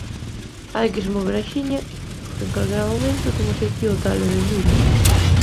Hai que se mover axiña porque en calquera momento temos eiquí ó tal Edelmiro.